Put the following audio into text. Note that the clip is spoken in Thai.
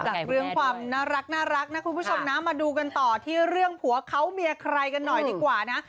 จากเรื่องความน่ารักนะคุณผู้ชมนะมาดูกันต่อที่เรื่องผัวเขาเมียใครกันหน่อยดีกว่านะ